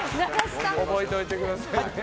覚えておいてくださいね。